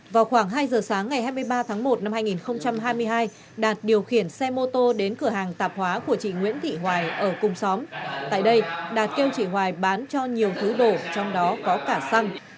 vào khoảng hai giờ sáng ngày hai mươi ba tháng một năm hai nghìn hai mươi hai đạt điều khiển xe mô tô đến cửa hàng tạp hóa của chị nguyễn thị hoài ở cùng xóm tại đây đạt kêu chị hoài bán cho nhiều thứ đổ trong đó có cả xăng